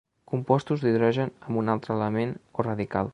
Compostos d'hidrogen amb un altre element o radical.